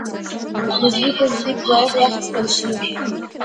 عضوي تصدیق باید واخیستل شي.